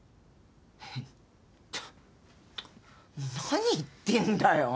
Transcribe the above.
何言ってんだよ。